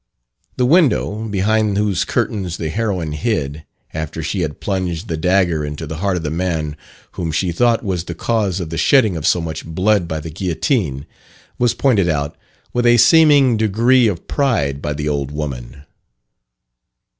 The window, behind whose curtains the heroine hid, after she had plunged the dagger into the heart of the man whom she thought was the cause of the shedding of so much blood by the guillotine, was pointed out with a seeming degree of pride by the old woman.